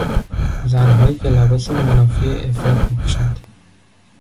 زنهایی که لباس منافی عفت میپوشند